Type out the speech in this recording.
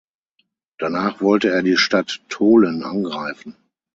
Danach wollte er die Stadt Tholen angreifen.